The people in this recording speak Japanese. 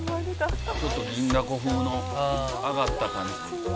「ちょっと銀だこ風の揚がった感じに」